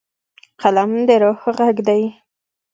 قلم د روح غږ دی.